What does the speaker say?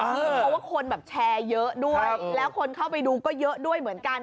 เพราะว่าคนแบบแชร์เยอะด้วยแล้วคนเข้าไปดูก็เยอะด้วยเหมือนกัน